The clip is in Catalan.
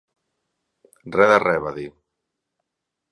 Re de re, va dir.